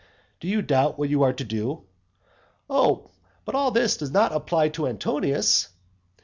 Do you doubt what you are to do? "Oh, but all this does not apply to Antonius."